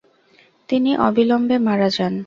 তিনি অবিলম্বে মারা যান।